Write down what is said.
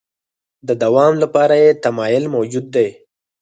د دوام لپاره یې تمایل موجود دی.